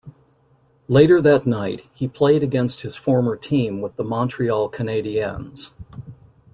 Later that night, he played against his former team with the Montreal Canadiens.